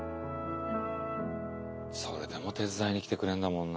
それでも手伝いに来てくれんだもんな。